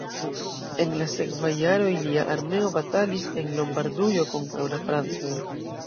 En la sekvaj jaroj lia armeo batalis en Lombardujo kontraŭ la francoj.